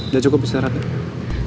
udah cukup istirahatnya